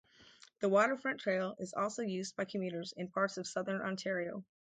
The Waterfront Trail is also used by commuters in parts of Southern Ontario.